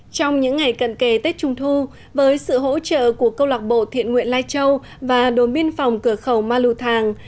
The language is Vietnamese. trong những ngày cận kề tết trung thu với sự hỗ trợ của câu lạc bộ thiện nguyện lai châu và đồn biên phòng cửa khẩu ma lưu thàng